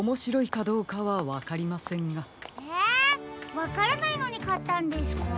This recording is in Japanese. わからないのにかったんですか？